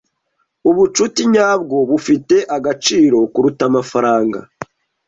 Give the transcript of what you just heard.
Ubucuti nyabwo bufite agaciro kuruta amafaranga.